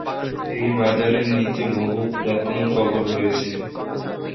এই বাজারের নিচে বহু পুরাতন কবর রয়েছে।